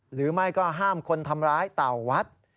หรือไม่ก็ห้ามคนทำร้ายเต่าวัด